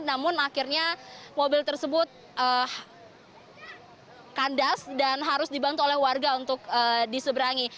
namun akhirnya mobil tersebut kandas dan harus dibantu oleh warga untuk diseberangi